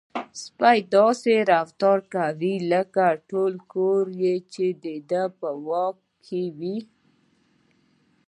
سپی داسې رفتار کاوه لکه ټول کور چې د ده په واک کې وي.